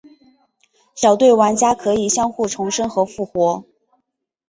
小队玩家可以互相重生和复活。